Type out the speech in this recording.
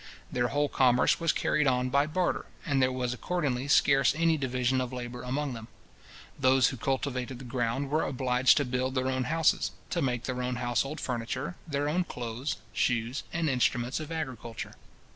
Their whole commerce was carried on by barter, and there was accordingly scarce any division of labour among them. Those who cultivated the ground, were obliged to build their own houses, to make their own household furniture, their own clothes, shoes, and instruments of agriculture.